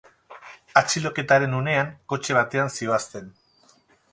Atxiloketaren unean kotxe batean zihoazten.